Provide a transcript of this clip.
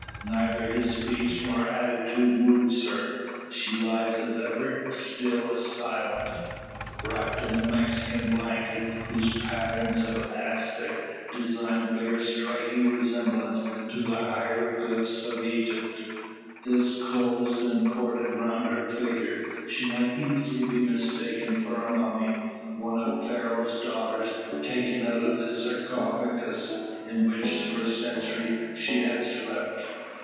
Neither his speech nor attitude moves her. She lies as ever, still, silent. Wrapped in the Mexican blanket whose pattern of Aztec design bears striking resemblance to the hieroglyphs of Egypt this closed and corded round her figure, she might easily be mistaken for a mummy, one of Pharaoh's daughters taken out of the sarcophagus in which for centuries she has slept.